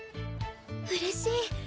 うれしい。